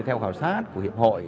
theo khảo sát của hiệp hội